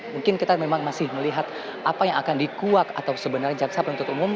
mungkin kita memang masih melihat apa yang akan dikuak atau sebenarnya jaksa penuntut umum